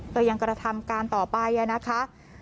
ก็ยังกระทำการต่อไปนะคะ